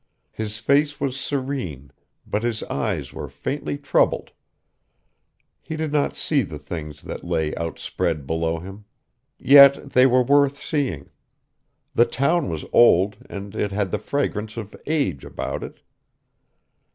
His face was serene, but his eyes were faintly troubled. He did not see the things that lay outspread below him. Yet they were worth seeing. The town was old, and it had the fragrance of age about it.